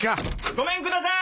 ・ごめんください。